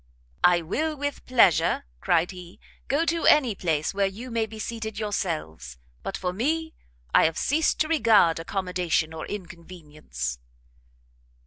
"I will with pleasure," cried he, "go to any place where you may be seated yourselves; but for me, I have ceased to regard accommodation or inconvenience."